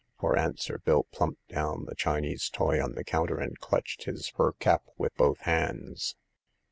For an swer Bill plumped down the Chinese toy on the counter, and clutched his fur cap with both hands.